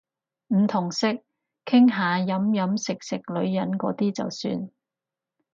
唔同色，傾下飲飲食食女人嗰啲就算